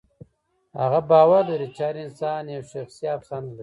هغه باور لري چې هر انسان یوه شخصي افسانه لري.